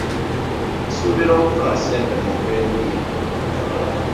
Nsuubira okufuna ssente mu nva endiirwa.